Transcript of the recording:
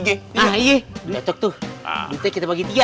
iya betul tuh duitnya kita bagi tiga